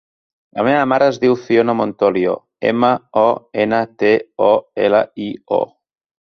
La meva mare es diu Fiona Montolio: ema, o, ena, te, o, ela, i, o.